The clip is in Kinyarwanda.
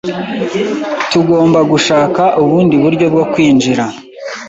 Tugomba gushaka ubundi buryo bwo kwinjira.